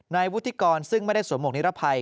นายวุฒิกรซึ่งไม่ได้สวมหวกนิรภัย